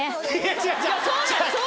違う！